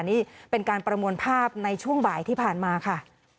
นี่เป็นการประมวลภาพในช่วงบ่ายที่ผ่านมาค่ะ